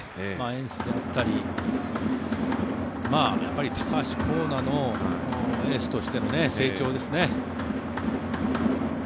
エンスであったり、高橋光成のエースとしての成長ですね。